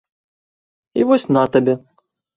І вось на табе!